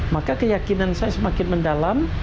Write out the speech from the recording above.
maka keyakinan saya semakin mendalam